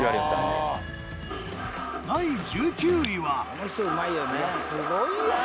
「この人うまいよね」